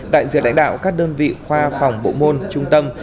đại diện lãnh đạo các đơn vị khoa phòng bộ môn trung tâm